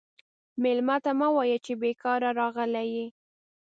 مېلمه ته مه وایه چې بیکاره راغلی یې.